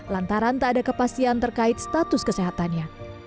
lantaran tak ada kepastian terkait status kesehatannya